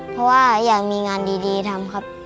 เพราะว่าอยากมีงานดีทำครับ